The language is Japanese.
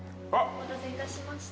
お待たせいたしました。